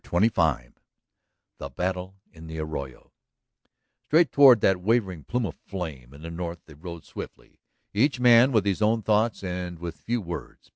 CHAPTER XXV THE BATTLE IN THE ARROYO Straight toward that wavering plume of flame in the north they rode swiftly, each man with his own thoughts and with few words.